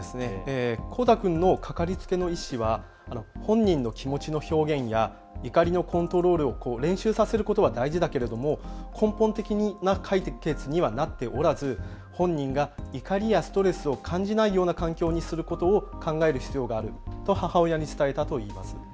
コウタ君のかかりつけの医師は本人の気持ちの表現や怒りのコントロールを練習させることは大事だけれども根本的な解決にはなっておらず本人が怒りやストレスを感じないような環境にすることを考える必要があると母親に伝えたといいます。